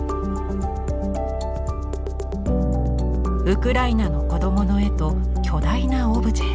ウクライナの子どもの絵と巨大なオブジェ。